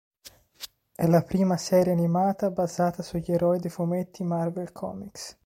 È la prima serie animata basata sugli eroi dei fumetti Marvel Comics.